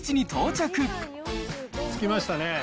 着きましたね。